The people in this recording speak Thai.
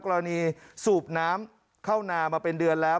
สูบน้ำเข้านามาเป็นเดือนแล้ว